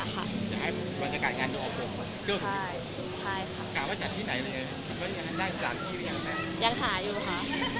อาจารย์ที่ไหนบ้างเนี่ยก็ยังได้อาจารย์ที่นี่ยังหายอยู่ค่ะ